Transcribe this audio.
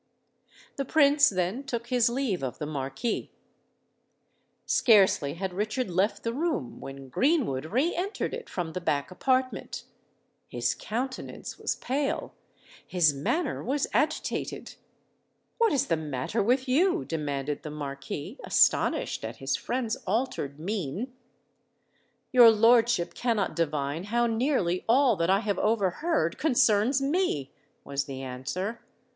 The Prince then took his leave of the Marquis. Scarcely had Richard left the room, when Greenwood re entered it from the back apartment. His countenance was pale—his manner was agitated. "What is the matter with you?" demanded the Marquis, astonished at his friend's altered mien. "Your lordship cannot divine how nearly all that I have overheard concerns me," was the answer.